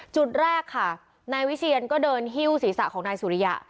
จุดแรกค่ะนายวิเชียนก็เดินหิ้วศีรษะของนายสุริยะ